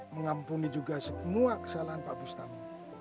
mengampuni juga semua kesalahan pak bustami